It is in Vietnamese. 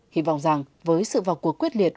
hy vọng rằng với sự vào cuộc quyết liệt